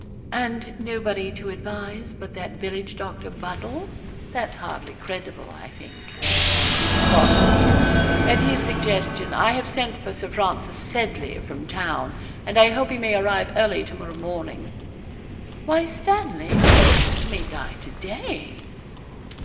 'And nobody to advise but that village doctor, Buddle that's hardly credible, I think.' 'Pardon me. At his suggestion I have sent for Sir Francis Seddley, from town, and I hope he may arrive early to morrow morning.' 'Why, Stanley Lake may die to day.'